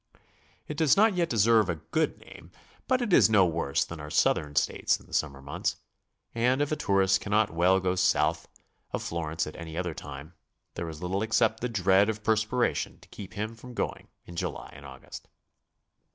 It does not yet deserve a good name, but it is no worse than our Southern States in the summer months, and if a tourist cannot well go south of Florence at any other time, there is little except the dread of perspiration to keep him from going in July or August.